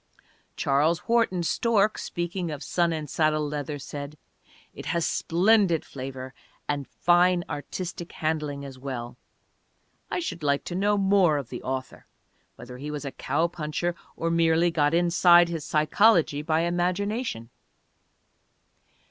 Charles Wharton Stork speaking of Sun and Saddle Leather, said, "It has splendid flavor and fine artistic handling as well. I should like to know more of the author, whether he was a cow puncher or merely got inside his psychology by imagination."